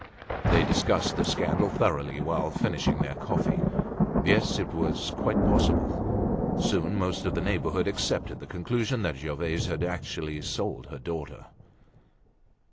They discussed the scandal thoroughly while finishing their coffee. Yes, it was quite possible. Soon most of the neighborhood accepted the conclusion that Gervaise had actually sold her daughter.